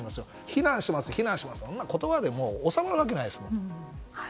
非難します、非難しますってそんなん、言葉で収まるわけないですもん。